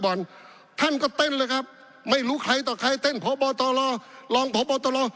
ท่านก็เต้นเลยครับไม่รู้ใครต่อใครเต้นพบตรรองพบตร